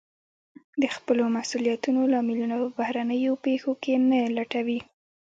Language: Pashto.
د خپلو مسوليتونو لاملونه په بهرنيو پېښو کې نه لټوي.